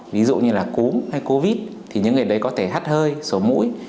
ví dụ như là cúm hay covid thì những người đấy có thể hát hơi sổ mũi